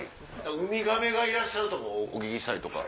ウミガメがいらっしゃるとこをお聞きしたりとか。